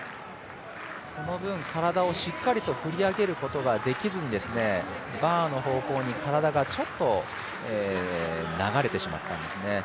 その分、体をしっかりと振り上げることができずにバーの方向に体がちょっと流れてしまったんですね。